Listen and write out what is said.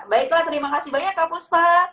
baiklah terima kasih banyak kak puspa